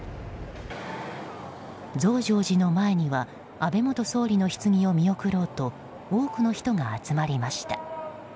増上寺の前には安倍元総理の棺を見送ろうと多くの人が集まりました。